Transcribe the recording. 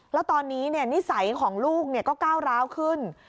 แล้วตอนนี้นิสัยของลูกก็ก้าวร้าวขึ้น